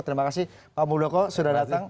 terima kasih pak muldoko sudah datang